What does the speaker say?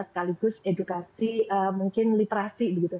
sekaligus edukasi mungkin literasi